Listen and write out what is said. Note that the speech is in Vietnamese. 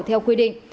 theo quy định